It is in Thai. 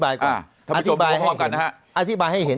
อะอธิบายก่อน